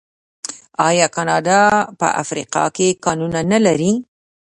آیا کاناډا په افریقا کې کانونه نلري؟